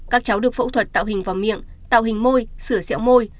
các cháu được phẫu thuật tạo hình vòng miệng tạo hình môi sửa sẹo môi